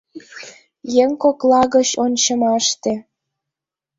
Еҥ кокла гыч ончымаште